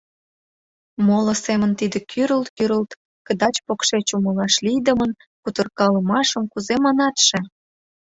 Моло семын тиде кӱрылт-кӱрылт, кыдач-покшеч умылаш лийдымын кутыркалымашым кузе манатше?